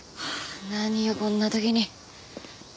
何よこんな時に。